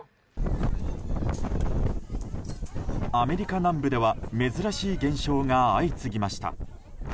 アメリカ南部では珍しい現象が相次ぎました。